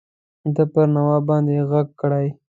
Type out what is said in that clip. ده پر نواب باندي ږغ کړی.